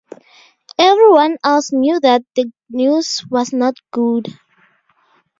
Every one else knew that the news was not good.